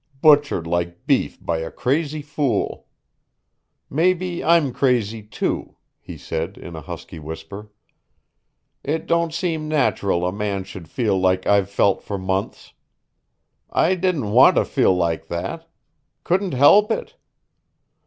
Butchered like beef by a crazy fool. Maybe I'm crazy too," he said in a husky whisper. "It don't seem natural a man should feel like I've felt for months. I didn't want to feel like that. Couldn't help it.